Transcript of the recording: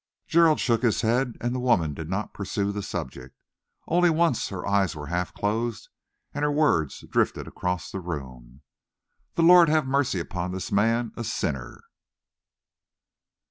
Gerald shook his head, and the woman did not pursue the subject. Only once her eyes were half closed and her words drifted across the room. "The Lord have mercy on this man, a sinner!"